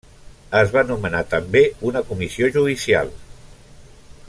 Es va nomenar també una Comissió Judicial.